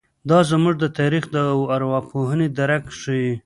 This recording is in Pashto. دا زموږ د تاریخ او ارواپوهنې درک ښيي.